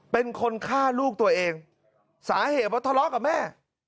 เป็นคนฆ่าลูกตัวเองสาเหตุว่าทะเลาะกับแม่